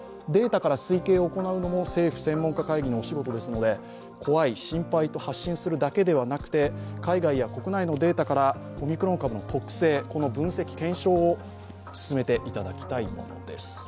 データから推計を行うのも政府専門家会議のお仕事ですので怖い、心配と発信するだけではなくて海外や国内のデータから、オミクロン株の特性の分析・検証を進めていただきたいものです。